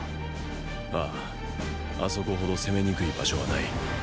あああそこほど攻めにくい場所はない。